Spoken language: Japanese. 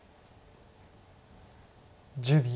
１０秒。